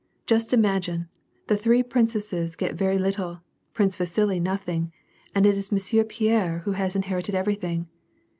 Just imagine : the three princesses get very lit tle. Prince Vasili, nothing, and it is Monsieur Pierre who has inherited everything.